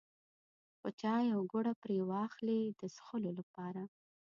چې چای او ګوړه پرې واخلي د څښلو لپاره.